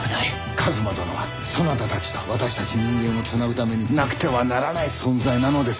一馬殿はそなたたちと私たち人間をつなぐためになくてはならない存在なのです。